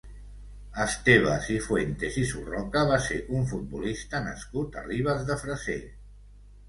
Esteve Cifuentes i Surroca va ser un futbolista nascut a Ribes de Freser.